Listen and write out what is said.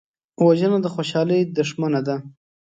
وژنه د خوشحالۍ دښمنه ده